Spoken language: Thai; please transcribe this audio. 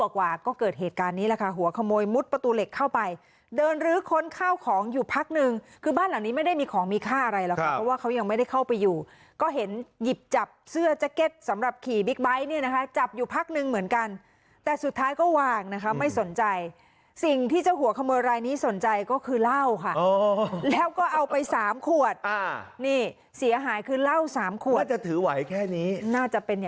กว่าก็เกิดเหตุการณ์นี้แหละค่ะหัวขโมยมุดประตูเหล็กเข้าไปเดินลือค้นเข้าของอยู่พักนึงคือบ้านหลังนี้ไม่ได้มีของมีค่าอะไรหรอกค่ะเพราะว่าเขายังไม่ได้เข้าไปอยู่ก็เห็นหยิบจับเสื้อแจ๊กเก็ตสำหรับขี่บิ๊กไบท์เนี่ยนะคะจับอยู่พักนึงเหมือนกันแต่สุดท้ายก็วางนะคะไม่สนใจสิ่งที่เจ้าหัวขโมย